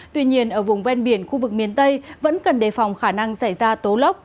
tuy nhiên ở vùng ven biển khu vực miền tây vẫn cần đề phòng khả năng xảy ra tố lốc